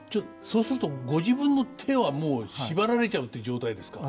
そうするとご自分の手はもう縛られちゃうって状態ですか？